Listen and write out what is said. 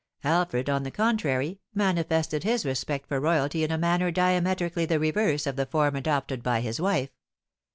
Alfred, on the contrary, manifested his respect for royalty in a manner diametrically the reverse of the form adopted by his wife.